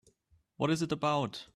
What is it about?